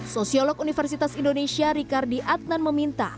sosiolog universitas indonesia rikardi adnan meminta